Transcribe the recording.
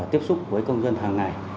tiếp xúc với công dân hàng ngày